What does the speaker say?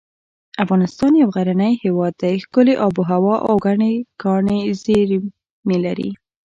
افغانستان یو غرنی هیواد دی ښکلي اب هوا او ګڼې کاني زیر مې لري